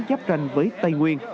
giáp tranh với tây nguyên